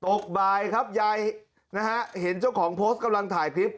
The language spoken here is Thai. บ่ายครับยายนะฮะเห็นเจ้าของโพสต์กำลังถ่ายคลิป